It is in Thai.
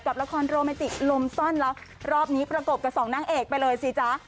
กับละครโรแมนติกลมซ่อนแล้วรอบนี้ประกบกับสองนางเอกไปเลยสิจ๊ะ